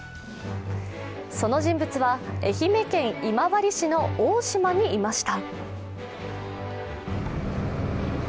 その人物は、愛媛県今治市の大島にいました。